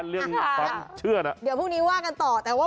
เธอเห็นทะเบียนรถ